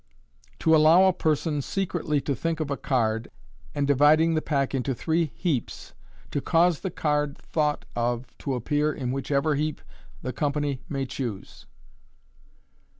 To allow a Person secretly to think op a Card, and dividing thb Pack into three heaps, to cause thb Card thought of to appear in whichever heap thb Company mat choose.